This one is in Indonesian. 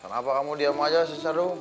kenapa kamu diam aja sesadung